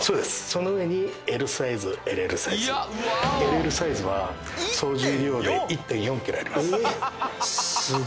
その上にＬサイズＬＬサイズＬＬサイズは総重量で１．４ｋｇありますええー？